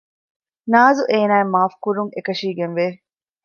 ނާޒު އޭނާއަށް މާފު ކުރުން އެކަށީގެންވެ